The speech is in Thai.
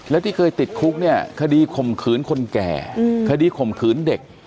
แล้วที่เคยติดคุกเนี่ยคดีข่มขืนคนแก่คดีข่มขืนเด็ก